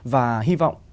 và hy vọng